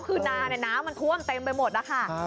คือนาน้ำมันท่วมเต็มไปหมดนะคะ